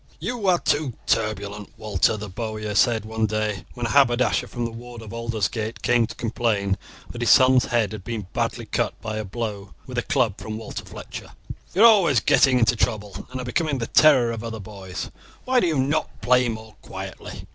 "You are too turbulent, Walter," the bowyer said one day when a haberdasher from the ward of Aldersgate came to complain that his son's head had been badly cut by a blow with a club from Walter Fletcher. "You are always getting into trouble, and are becoming the terror of other boys. Why do you not play more quietly?